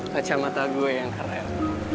kacamata gue yang keren